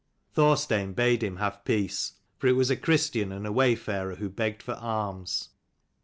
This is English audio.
Thorstein bade him have peace, for it was a Christian and a wayfarer who begged for alms.